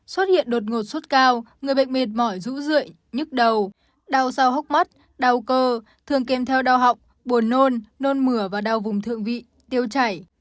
xuất hiện đột ngột suốt cao người bệnh mệt mỏi rũ rượi nhức đầu đau sau hốc mắt đau cơ thường kèm theo đau họng buồn nôn nôn mửa và đau vùng thượng vị tiêu chảy